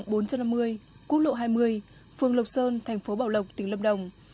phường lộc sơn thành phố bảo lộc tỉnh lâm đồng